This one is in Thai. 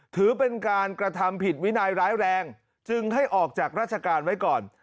ถือเป็นการกระทำผิดวินัยร้ายแรงจึงให้ออกจากราชการไว้ก่อน